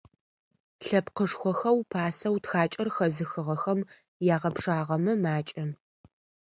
Лъэпкъышхохэу пасэу тхакӏэр хэзыхыгъэхэм ягъэпшагъэмэ - макӏэ.